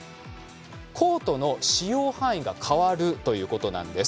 コートの使用範囲が変わるということなんです。